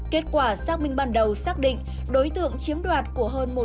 kết quả xác minh ban đầu xác định đối tượng chiếm đoạt của hơn một trăm linh người